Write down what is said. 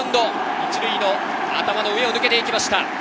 １塁の頭の上を抜けて行きました。